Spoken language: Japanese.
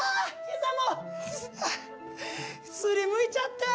膝もすりむいちゃった！